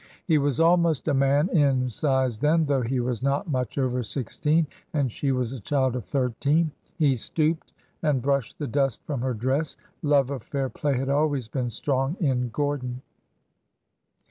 He was almost a man in size then, though he was not much over sixteen, and she was a child of thirteen. He stooped and brushed the dust from her dress. Love of fair play had always been strong in Gordon.